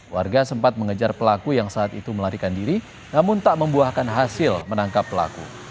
warga sempat mengejar pelaku yang saat itu melarikan diri namun tak membuahkan hasil menangkap pelaku